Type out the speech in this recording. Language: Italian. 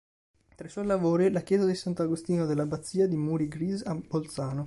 Tra i suoi lavori, la chiesa di Sant'Agostino dell'Abbazia di Muri-Gries a Bolzano.